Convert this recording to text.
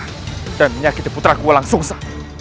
menjaga dan menyakiti putraku langsung saja